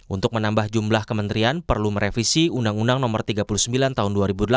untuk menambah jumlah kementerian perlu merevisi undang undang no tiga puluh sembilan tahun dua ribu delapan